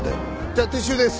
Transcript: じゃ撤収です。